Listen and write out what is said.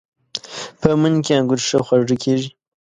په مني کې انګور ښه خواږه کېږي.